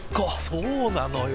そうなのよ。